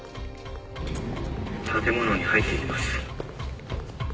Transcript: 建物に入っていきます。